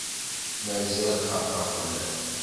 Mazal xaqeɣ fell-am.